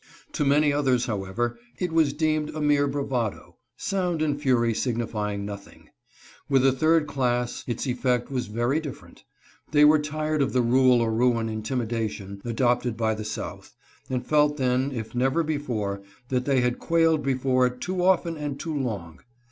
To many others, however, it was deemed a mere bravado— sound and fury signifying nothing. With a third class its effect was very different. They were tired of the rule or ruin intimidation adopted by the 400 BUCHANAN AND HIS CABINET. South, and felt then, if never before, that they had quailed before it too often and too long.